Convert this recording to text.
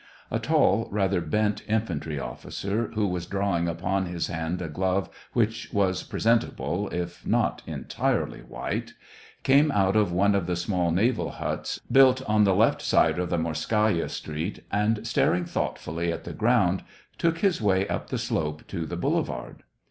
A tall, rather bent infantry officer, who was drawing upon his hand a glove which was present able, if not entirely white, came out of one of the small naval huts, built on the left side of the Morskaya* street, and, staring thoughtfully at the ground, took his way up the slope to the boulevard.